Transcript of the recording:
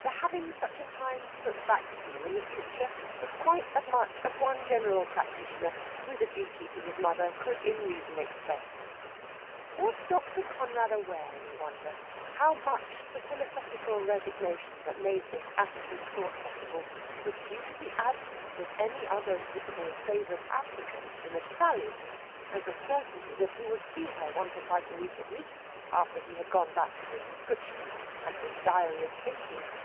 The having such a time to look back to in the future was quite as much as one general practitioner, with a duty to his mother, could in reason expect. Was Dr. Conrad aware, we wonder, how much the philosophical resignation that made this attitude of thought possible was due to the absence of any other visible favoured applicant for Miss Sally, and the certainty that he would see her once or twice a week at least after he had gone back to his prescriptions and his diary of cases?